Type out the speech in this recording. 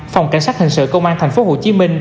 phòng cảnh sát hình sự công an tp hcm